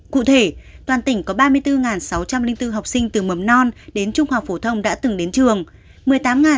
cụ thể toàn tỉnh có ba mươi bốn sáu trăm linh bốn học sinh từ mầm non đến trung học phổ thông đã từng đến trường